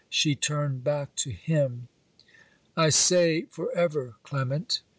She turned back to him. 'I say for ever, Clement!'